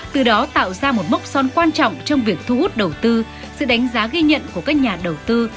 từ đó tạo ra một mốc son quan trọng trong việc thu hút đầu tư sự đánh giá ghi nhận của các nhà đầu tư